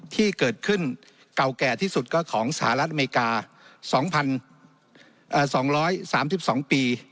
ที่เกิดขึ้นเก่าแก่ที่สุดก็ของสหรัฐอเมริกา๒๒๓๒ปี